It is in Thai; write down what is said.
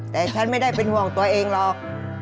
แต่ฉันไม่ได้เป็นห่วงตัวเองหรอก